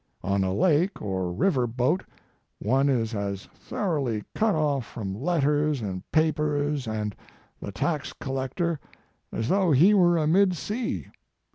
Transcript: On a lake or river boat one is as thoroughly cut off from letters and papers and the tax collector as though he were amid sea.